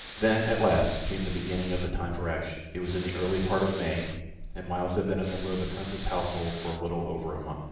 Then, at last, came the beginning of the time for action. It was in the early part of May, and Myles had been a member of the Prince's household for a little over a month.